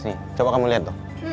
nih sungai kapuas coba kamu lihat